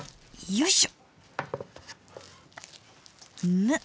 よいしょ！